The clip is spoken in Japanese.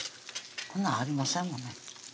こんなんありませんもんね